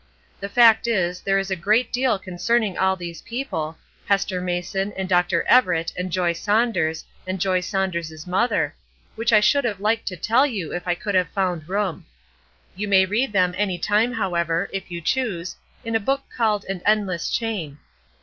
The fact is, there is a great deal concerning all these people Hester Mason and Dr. Everett and Joy Saunders and Joy Saunders' mother which I should have liked to tell you if I could have found room. You may read of them any time, however, if you choose, in a book called "An Endless Chain."